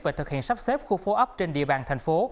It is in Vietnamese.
và thực hiện sắp xếp khu phố ấp trên địa bàn tp hcm